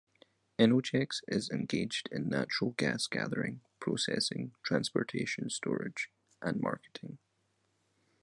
Enogex is engaged in natural gas gathering, processing, transportation, storage and marketing.